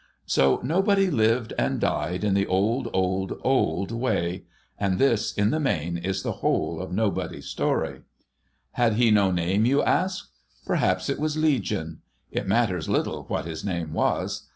So Nobody lived and died in the old, old, old way ; and this, in the main, is the whole of Nobody's story. Had he no name, you ask ? Perhaps it was Legion. It matters little what his name was.